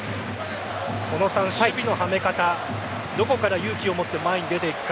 小野さん、守備のハメ方どこから勇気を持って前に出て行くか。